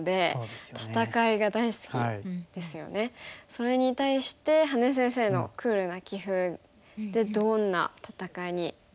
それに対して羽根先生のクールな棋風でどんな戦いになるのか。